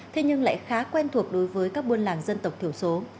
thế nhưng lại khá quen thuộc đối với các buôn làng dân tộc thiểu số